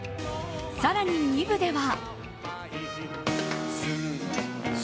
更に２部では。